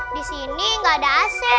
disini gak ada ac